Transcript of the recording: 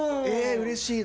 うれしいな。